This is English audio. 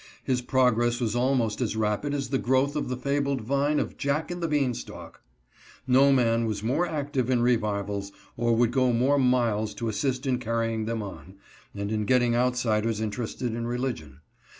His progress was almost as rapid as the growth of the fabled vine of Jack and the Bean Stalk. No man was more active in revivals, or would go more miles to assist in carrying them on, and in getting outsiders interested in religion.